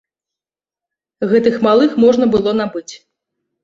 Гэтых малых можна было набыць.